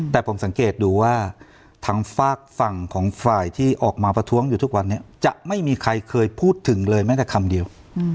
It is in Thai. แต่ผมสังเกตดูว่าทางฝากฝั่งของฝ่ายที่ออกมาประท้วงอยู่ทุกวันนี้จะไม่มีใครเคยพูดถึงเลยแม้แต่คำเดียว